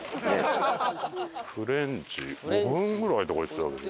フレンチ５分ぐらいとか言ってたけど。